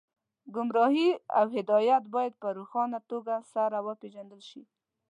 ګمراهي او هدایت باید په روښانه توګه سره وپېژندل شي